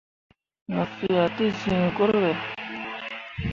Mo fea te zẽẽ gurɓe.